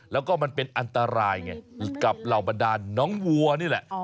แล้วก็มันเป็นอันตรายไงกับเหล่าบรรดาลน้องวัวนี่แหละ